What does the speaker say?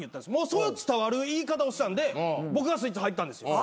そう伝わる言い方をしたんで僕がスイッチ入ったんですよ。